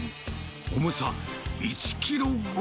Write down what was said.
重さ１キロ超え。